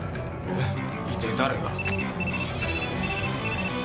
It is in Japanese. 一体誰が？